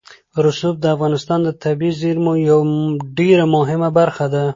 رسوب د افغانستان د طبیعي زیرمو یوه ډېره مهمه برخه ده.